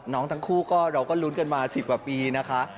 ทั้งคู่ก็เราก็ลุ้นกันมา๑๐กว่าปีนะคะ